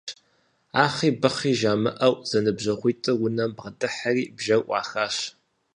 Ахъи-быхъи жамыӀэу зэныбжьэгъуитӀыр унэм бгъэдыхьэри бжэр Ӏуахащ.